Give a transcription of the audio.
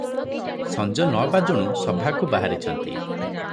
ସଞ୍ଜ ନ ବାଜୁଣୁ ସଭାକୁ ବାହାରିଛନ୍ତି ।